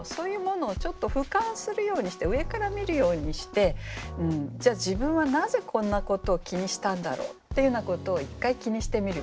ふかんするようにして上から見るようにしてじゃあ自分はなぜこんなことを気にしたんだろうっていうようなことを一回気にしてみる。